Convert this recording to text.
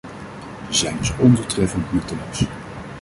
Ze zijn dus ondoeltreffend, nutteloos.